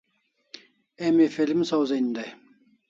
Emi film sawzen dai